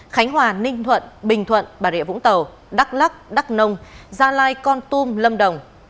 khánh hòa ninh thuận bình thuận bà rịa vũng tàu đắk lắc đắk nông gia lai con tum lâm đồng